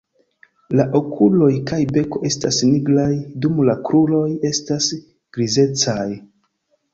La okuloj kaj beko estas nigraj, dum la kruroj estas grizecaj.